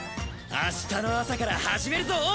明日の朝から始めるぞ！